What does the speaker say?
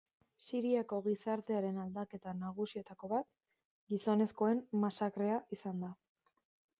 Siriako gizartearen aldaketa nagusietako bat gizonezkoen masakrea izan da.